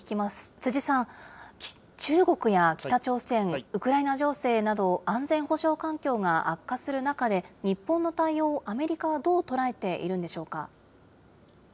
辻さん、中国や北朝鮮、ウクライナ情勢など、安全保障環境が悪化する中で、日本の対応をアメリカはどう捉えているんでしょうか。